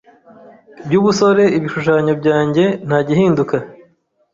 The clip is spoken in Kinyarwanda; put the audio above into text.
byubusore Ibishushanyo byanjye ntagihinduka